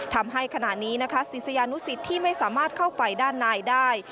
ทำให้ขณะนี้นะคะศิษยานุสิตที่ไม่สามารถเข้าไปด้านในได้